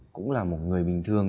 cũng là một người bình thường